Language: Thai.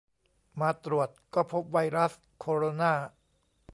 มาตรวจก็พบไวรัสโคโรนา